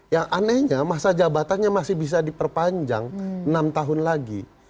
yang anehnya masa jabatannya masih bisa diperpanjang enam tahun lagi